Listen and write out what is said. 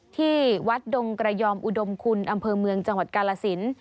ที่วัดดงกระยอมอุดมคุณอำเภอเมืองจังหวัดกาลสิน